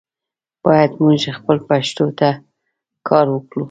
باید مونږ خپلې پښتو ته کار وکړو.